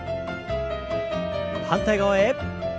反対側へ。